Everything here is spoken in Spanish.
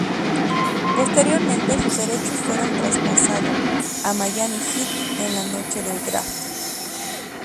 Posteriormente sus derechos fueron traspasado a Miami Heat en la noche del draft.